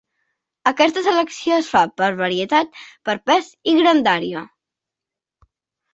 Aquesta selecció es fa per varietat, per pes i grandària.